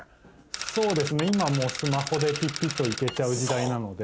そうですね今もうスマホでピッピッと行けちゃう時代なので。